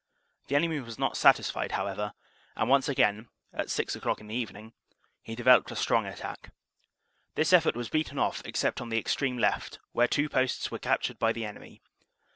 The enemy was not satisfied, however, and once again, at six o clock in the evening, he developed a strong attack. This effort was beaten off except on the extreme left, where two posts were captured by the enemy.